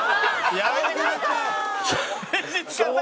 「やめてください！」